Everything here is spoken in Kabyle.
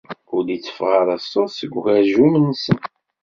Ur d-itteffeɣ ara ṣṣut seg ugerjum-nsen.